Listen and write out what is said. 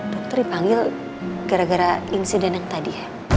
dokter dipanggil gara gara insiden yang tadi